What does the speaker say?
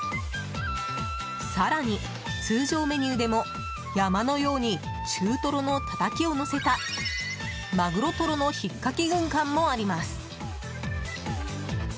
更に、通常メニューでも山のように中トロのたたきをのせたまぐろとろのひっかき軍艦もあります。